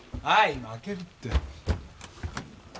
今開けるって。